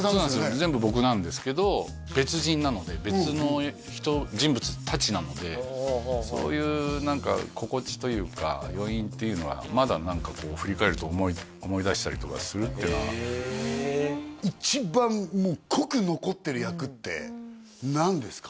全部僕なんですけど別人なので別の人人物達なのでそういう何か心地というか余韻っていうのはまだ何かこう振り返ると思い出したりとかするっていうのは一番濃く残ってる役って何ですか？